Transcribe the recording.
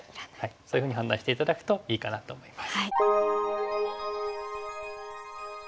そういうふうに判断して頂くといいかなと思います。